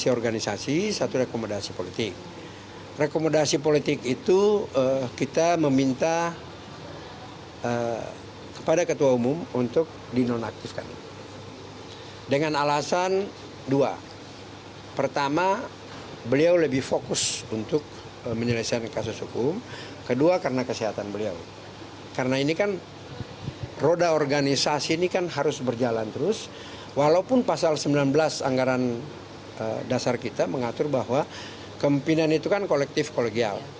organisasi ini kan harus berjalan terus walaupun pasal sembilan belas anggaran dasar kita mengatur bahwa kempinan itu kan kolektif kolegial